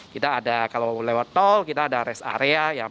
kita ada kalau lewat tol kita ada rest area